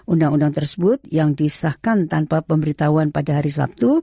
undang undang tersebut yang disahkan tanpa pemberitahuan pada hari sabtu